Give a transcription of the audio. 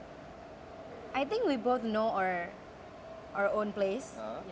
saya pikir kita berdua tahu tempat kita sendiri